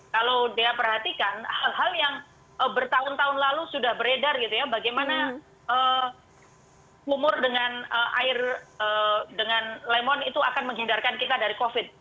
kalau dia perhatikan hal hal yang bertahun tahun lalu sudah beredar gitu ya bagaimana umur dengan air dengan lemon itu akan menghindarkan kita dari covid